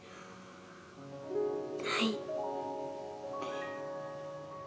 はい。